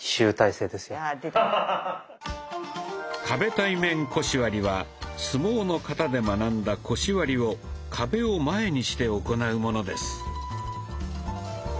壁対面腰割りは相撲の型で学んだ「腰割り」を壁を前にして行うものです。